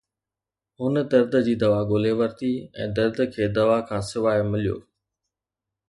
هن درد جي دوا ڳولي ورتي ۽ درد کي دوا کان سواءِ مليو